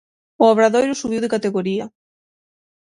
O Obradoiro subiu de categoría.